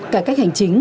cải cách hành chính